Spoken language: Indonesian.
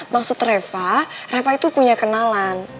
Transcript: maksud reva reva itu punya kenalan